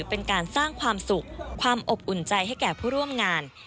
เจอกันข้ามาเจอกันข้า